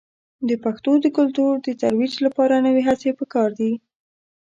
د پښتو د کلتور د ترویج لپاره نوې هڅې په کار دي.